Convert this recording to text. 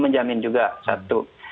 menjamin juga satu